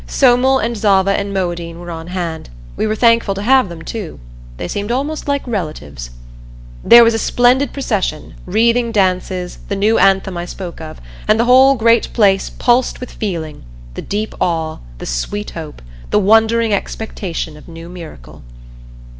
Somel and Zava and Moadine were on hand; we were thankful to have them, too they seemed almost like relatives. There was a splendid procession, wreathing dances, the new anthem I spoke of, and the whole great place pulsed with feeling the deep awe, the sweet hope, the wondering expectation of a new miracle.